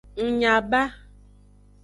Ng nya ba.